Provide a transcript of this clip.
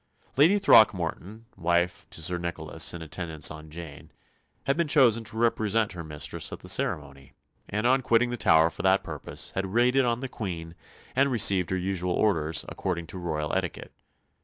Lady Throckmorton, wife to Sir Nicholas, in attendance on Jane, had been chosen to represent her mistress at the ceremony; and, on quitting the Tower for that purpose, had waited on the Queen and received her usual orders, according to royal etiquette.